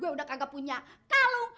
gue udah kagak punya kalung